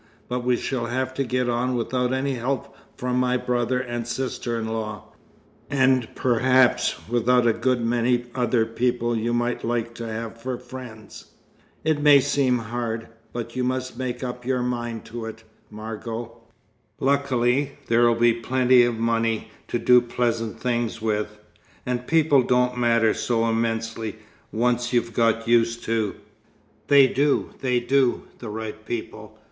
But we shall have to get on without any help from my brother and sister in law, and perhaps without a good many other people you might like to have for friends. It may seem hard, but you must make up your mind to it, Margot. Luckily, there'll be enough money to do pleasant things with; and people don't matter so immensely, once you've got used to " "They do, they do! The right people.